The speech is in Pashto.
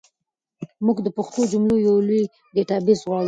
موږ د پښتو جملو یو لوی ډیټابیس غواړو.